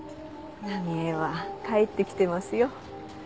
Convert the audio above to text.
奈美絵は帰ってきてますよ。